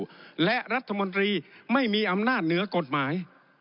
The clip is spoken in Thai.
และรัฐมนตรีไม่มีอำนาจเหนือกฎหมาย